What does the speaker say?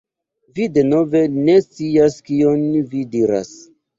Vi denove ne scias kion vi diras.